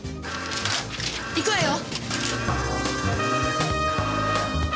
行くわよ！